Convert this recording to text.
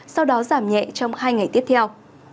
sau đó giảm nhẹ trong hai ngày tiếp theo